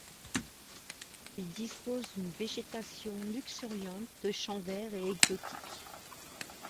Il dispose d'une végétation luxuriante de champs verts et exotique.